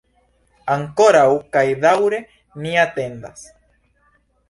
Ankoraŭ kaj daŭre ni atendas.